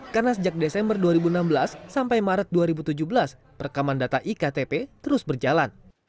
karena sejak desember dua ribu enam belas sampai maret dua ribu tujuh belas perekaman data iktp terus berjalan